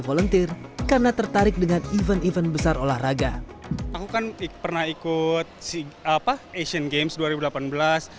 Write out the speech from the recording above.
volunteer karena tertarik dengan event event besar olahraga aku kan pernah ikut si apa asian games